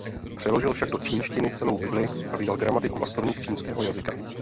Přeložil však do čínštiny celou Bibli a vydal gramatiku a slovník čínského jazyka.